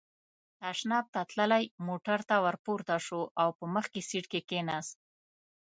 تشناب ته تللی، موټر ته ور پورته شو او په مخکې سېټ کې کېناست.